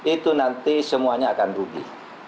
itu nanti semuanya akan rugi